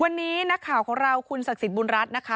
วันนี้นักข่าวของเราคุณศักดิ์สิทธิบุญรัฐนะคะ